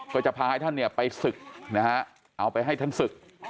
ก็จะพาให้ท่านไปศึกนะฮะเอาไปให้ท่านศึก